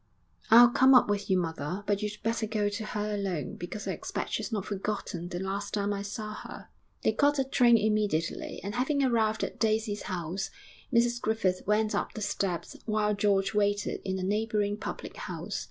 'I'll come up with you, mother, but you'd better go to her alone, because I expect she's not forgotten the last time I saw her.' They caught a train immediately, and having arrived at Daisy's house, Mrs Griffith went up the steps while George waited in a neighbouring public house.